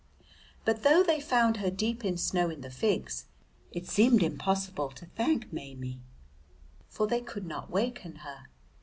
But though they found her deep in snow in the Figs, it seemed impossible to thank Maimie, for they could not waken her.